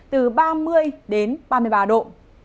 từ ba mươi đến ba mươi ba độ